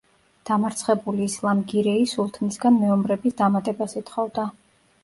დამარცხებული ისლამ გირეი სულთნისგან მეომრების დამატებას ითხოვდა.